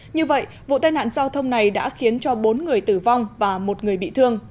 như vậy vụ tai nạn giao thông này đã khiến cho bốn người tử vong và một người bị thương